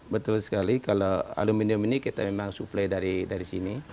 betul sekali kalau aluminium ini kita memang suplai dari sini